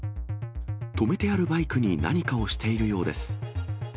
止めてあるバイクに何かをしているようです。